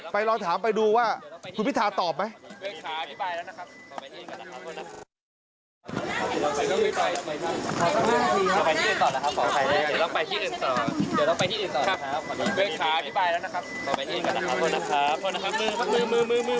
ลองถามไปดูว่าคุณพิทาตอบไหม